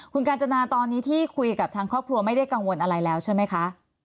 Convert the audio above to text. คุณกาญจนาตอนนี้ที่คุยกับทางครอบครัวไม่ได้กังวลอะไรแล้วใช่ไหมคะ